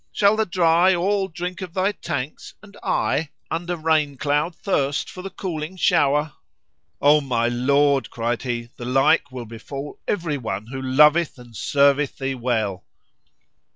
Shall the dry all drink of thy tanks and I * Under rain cloud thirst for the cooling shower?" "O my lord," cried he, "the like will befal every one who loveth and serveth thee well."